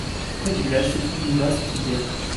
Près du village se trouve une vaste tourbière.